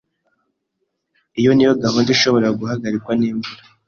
Iyo niyo gahunda ishobora guhagarikwa nimvura.